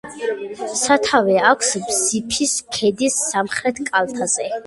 სათავე აქვს ბზიფის ქედის სამხრეთ კალთაზე.